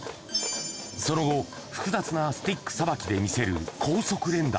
その後、複雑なスティックさばきで魅せる高速連打。